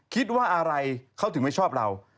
คิดว่าอะไรเขาถึงไม่ชอบเรา